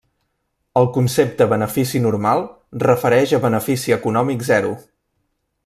El concepte benefici normal refereix a benefici econòmic zero.